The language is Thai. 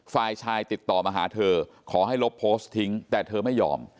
ฝ่ายชายติดต่อมาหาเธอขอให้ลบโพสต์ทิ้งแต่เธอไม่ยอม